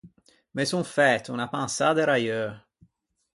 Me son fæto unna pansâ de raieu.